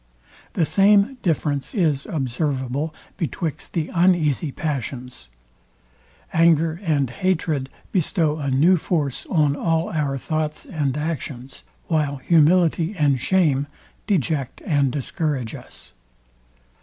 The same difference is observable betwixt the uneasy passions. Anger and hatred bestow a new force on all our thoughts and actions; while humility and shame deject and discourage us.